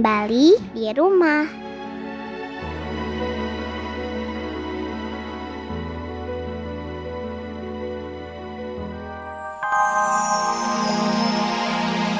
dan kita akan berjalan ke rumah sakit itu